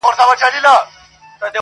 اشنا د بل وطن سړی دی!!